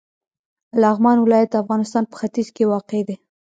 لغمان ولایت د افغانستان په ختیځ کې واقع دی.